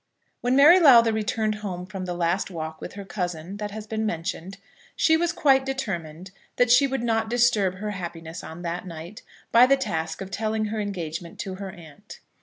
When Mary Lowther returned home from the last walk with her cousin that has been mentioned, she was quite determined that she would not disturb her happiness on that night by the task of telling her engagement to her aunt.